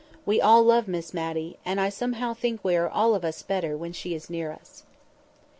We all love Miss Matty, and I somehow think we are all of us better when she is near us.